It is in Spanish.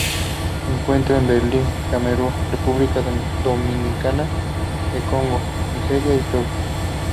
Se encuentran en Benín, Camerún, República Democrática del Congo, Nigeria, y Togo.